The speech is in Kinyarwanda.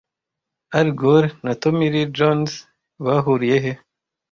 Al Gore na Tommy Lee Jones bahuriye he